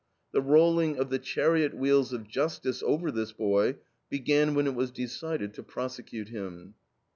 The rolling of the chariot wheels of Justice over this boy began when it was decided to prosecute him."